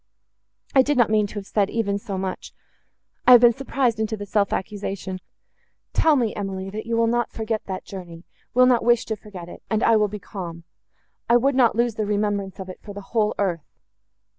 I did not mean to have said even so much—I have been surprised into the self accusation. Tell me, Emily, that you will not forget that journey—will not wish to forget it, and I will be calm. I would not lose the remembrance of it for the whole earth."